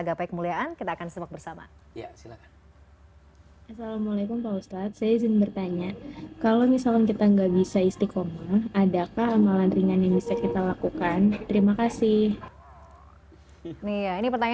gapai kemuliaan akan kembali setelah jeda yang satu ini